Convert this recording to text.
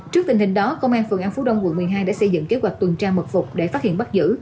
trước tình hình đó công an phường an phú đông quận một mươi hai đã xây dựng kế hoạch tuần tra mật phục để phát hiện bắt giữ